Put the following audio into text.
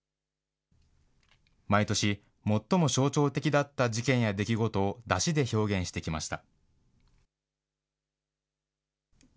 毎年、最も象徴的だった事件や出来事を山車で表現してきました。